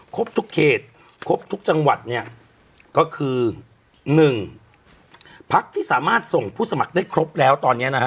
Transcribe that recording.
ครบทุกเขตครบทุกจังหวัดเนี่ยก็คือ๑พักที่สามารถส่งผู้สมัครได้ครบแล้วตอนนี้นะฮะ